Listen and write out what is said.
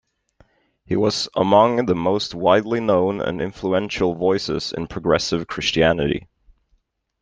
He was among the most widely known and influential voices in progressive Christianity.